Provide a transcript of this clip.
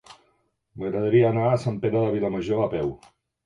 M'agradaria anar a Sant Pere de Vilamajor a peu.